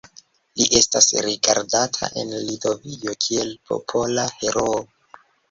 Li estas rigardata en Litovio kiel Popola Heroo.